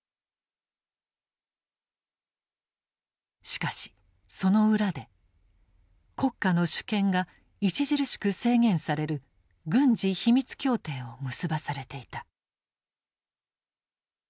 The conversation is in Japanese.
しかしその裏で国家の主権が著しく制限される軍事秘密協定を結ばされていた。